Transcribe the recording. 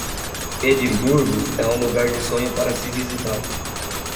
Edimburgo é um lugar de sonho para se visitar.